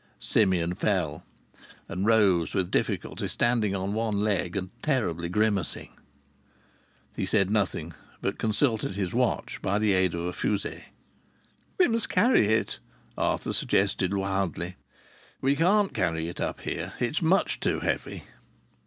Simeon fell, and rose with difficulty, standing on one leg, and terribly grimacing. He said nothing, but consulted his watch by the aid of a fusee. "We must carry it," Arthur suggested wildly. "We can't carry it up here. It's much too heavy."